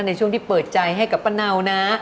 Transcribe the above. ในช่วงที่เปิดใจให้กับป้าเนานะ